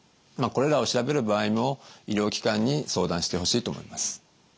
これらを調べる場合も医療機関に相談してほしいと思います。